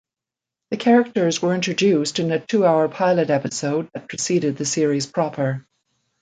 The characters were introduced in a two-hour pilot episode that preceded the series proper.